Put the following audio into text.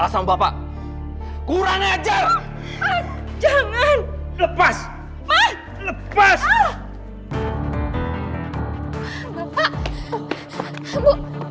kita ada masalah lagi om